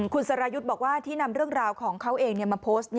คุณสรายุทธ์บอกว่าที่นำเรื่องราวของเขาเองมาโพสต์